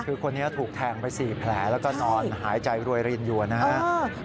คือคนนี้ถูกแทงไป๔แผลแล้วก็นอนหายใจรวยรินอยู่นะครับ